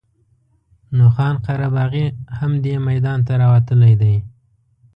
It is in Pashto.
نو خان قره باغي هم دې میدان ته راوتلی دی.